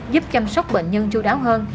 giúp chăm sóc bệnh nhân chú đáo hơn